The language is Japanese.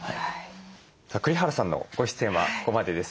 栗原さんのご出演はここまでです。